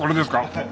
はい。